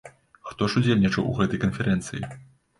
Хто ж удзельнічаў у гэтай канферэнцыі?